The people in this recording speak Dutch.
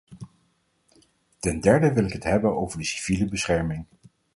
Ten derde wil ik het hebben over de civiele bescherming.